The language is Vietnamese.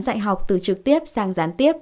dạy học từ trực tiếp sang gián tiếp